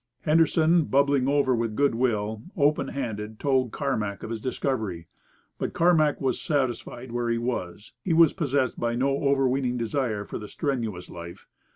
Henderson, bubbling over with good will, open handed, told Carmack of his discovery. But Carmack was satisfied where he was. He was possessed by no overweening desire for the strenuous life.